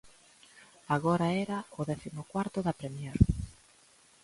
Agora era o décimo cuarto da Prémier.